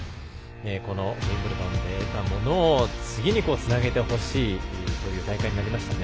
このウィンブルドンで得たものを次につなげてほしいという大会になりましたね。